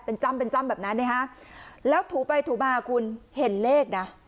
เป็นจ้ำเป็นจ้ำแบบนั้นนะฮะแล้วถูไปถูมาคุณเห็นเลขนะ